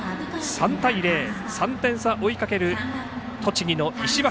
３対０、３点差を追いかける栃木の石橋